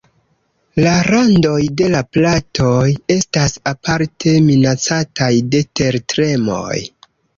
La randoj de la platoj estas aparte minacataj de tertremoj.